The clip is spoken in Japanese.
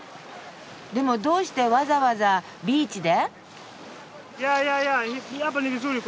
でもどうしてわざわざビーチで？